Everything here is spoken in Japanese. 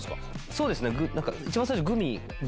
そうですね。